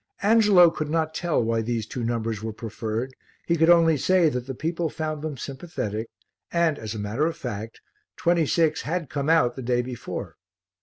Angelo could not tell why these two numbers were preferred, he could only say that the people found them sympathetic and, as a matter of fact, twenty six had come out the day before.